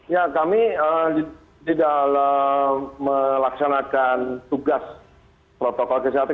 ya kami di dalam melaksanakan tugas protokol kesehatan